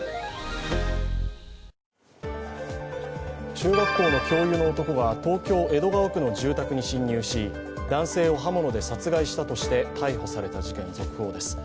中学校の教諭の男が東京・江戸川区の住宅に侵入し男性を刃物で殺害したとして逮捕された事件、続報です。